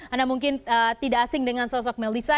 anda mungkin tidak asing dengan sosok melissa